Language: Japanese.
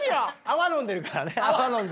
泡飲んでるからね。